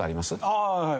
ああはい。